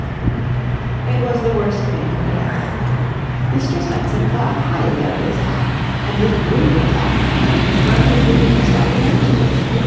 It was the worst thing he could have done. Mr. Swenson thought highly of his hat and this brutal attack upon it confirmed his gloomiest apprehensions.